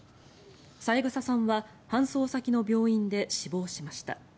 三枝さんは搬送先の病院で死亡しました。